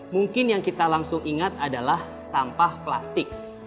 mungkin yang kita langsung ingat adalah sampah plastik